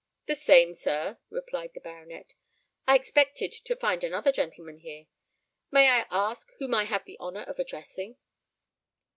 "The same, sir," replied the baronet. "I expected to find another gentleman here. May I ask whom I have the honour of addressing?"